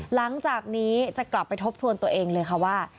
หลังจากนี้จะกลับไปทบทวนตัวเองเลยค่ะว่า